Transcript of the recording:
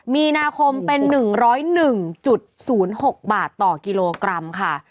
มีนาคมเป็น๑๐๑๐๖บาทต่อกิโลกรัมค่ะ